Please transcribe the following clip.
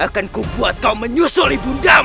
akan kubuat kau menyusul ibu ndang